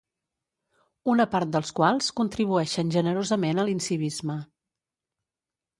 una part dels quals contribueixen generosament a l'incivisme